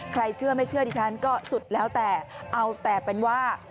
ใครเชื่อไม่เชื่อฉะนั้นก็สุดแล้วแต่เป็นว่า